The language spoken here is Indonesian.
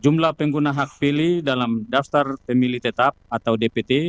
jumlah pengguna hak pilih dalam daftar pemilih tetap atau dpt